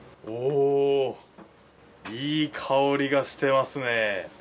おお、いい香りがしてますね。